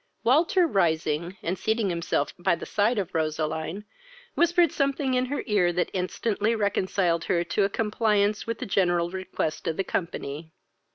Walter, rising, and seating himself by the side of Roseline, whispered something in her ear that instantly reconciled her to a compliance with the general request of the company.